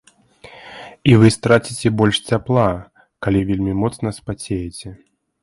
І вы страціце больш цяпла, калі вельмі моцна спацееце.